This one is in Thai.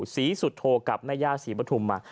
ซอยสีซุทโทกับแม่ย่าสีบัตถุมอ่ะ